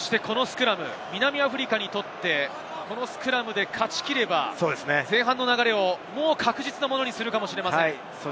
南アフリカにとって、このスクラムで勝ち切れば、前半の流れを確実なものにするかもしれません。